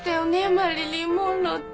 マリリン・モンローって。